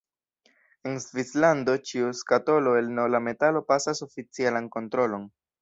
En Svislando, ĉiu skatolo el nobla metalo pasas oficialan kontrolon.